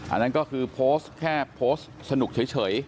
อันนั้นก็คือโพสต์แค่โพสต์สนุกเฉย